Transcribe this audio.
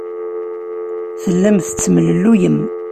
Tellam tettemlelluyem.